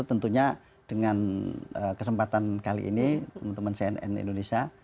tentunya dengan kesempatan kali ini teman teman cnn indonesia